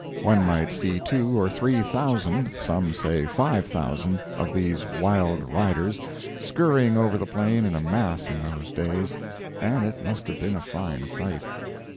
One might see two or three thousand, some say five thousand, of these wild riders, skurrying over the plain in a mass in those days. And it must have been a fine sight.